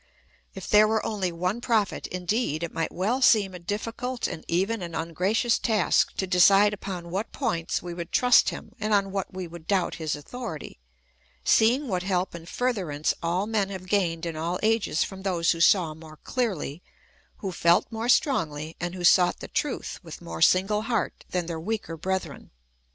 If there were only one Prophet, indeed, it might well seem a diificult and even an ungracious task to decide upon what points we would trust him, and on what we would doubt his authority ; seeing what help and furtherance all men have gained in all ages from those who saw more clearly, who felt more strongly, and who sought the truth with more single heart than their THE ETHICS OF BELIEF. 195 weaker brethren.